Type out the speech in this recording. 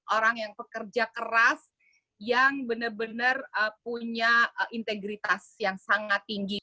orang yang pekerja keras yang benar benar punya integritas yang sangat tinggi